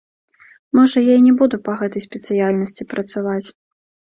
Можа, я і не буду па гэтай спецыяльнасці працаваць.